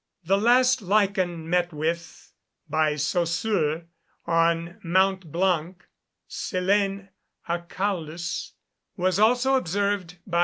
The last lichen met with by Saussure on Mont Blanc, Silene acaulis, was also observed by M.